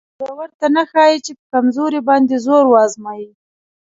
زورور ته نه ښایي چې په کمزوري باندې زور وازمایي.